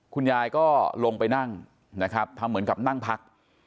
คุณยายก็ลงไปนั่งนะครับทำเหมือนกับนั่งพัก